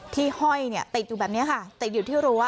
ที่ห้อยเนี่ยติดอยู่แบบเนี้ยค่ะติดอยู่ที่โร๊ะ